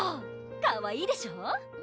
かわいいでしょ！